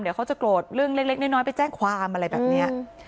เดี๋ยวเขาจะโกรธเรื่องเล็กน้อยไปแจ้งความอะไรแบบนี้